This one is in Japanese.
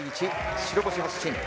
白星発進。